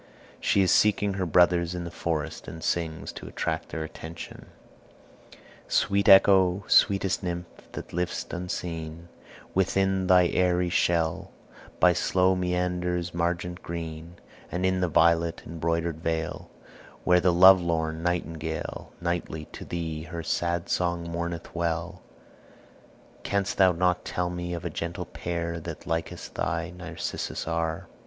She is seeking her brothers in the forest, and sings to attract their attention: "Sweet Echo, sweetest nymph, that liv'st unseen Within thy aery shell By slow Meander's margent green, And in the violet embroidered vale, Where the love lorn nightingale Nightly to thee her sad song mourneth well; Canst thou not tell me of a gentle pair That likest thy Narcissus are?